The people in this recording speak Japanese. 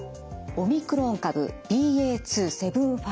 オミクロン株ＢＡ．２．７５です。